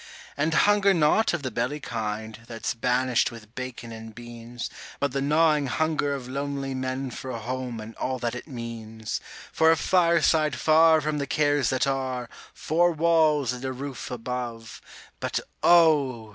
And hunger not of the belly kind, that's banished with bacon and beans, But the gnawing hunger of lonely men for a home and all that it means; For a fireside far from the cares that are, four walls and a roof above; But oh!